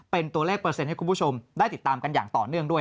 เป็นตัวเลขเปอร์เซ็นต์ให้คุณผู้ชมได้ติดตามกันอย่างต่อเนื่องด้วย